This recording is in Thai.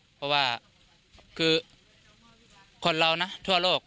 เพราะว่าคือคนเรานะทั่วโลก